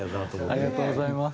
ありがとうございます。